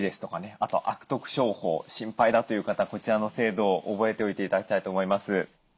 あと悪徳商法心配だという方こちらの制度を覚えておいて頂きたいと思います。